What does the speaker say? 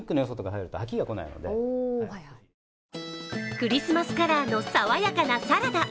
クリスマスカラーの爽やかなサラダ。